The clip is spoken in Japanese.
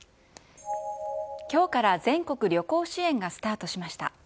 きょうから全国旅行支援がスタートしました。